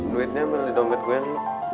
duitnya beli dompet gue neng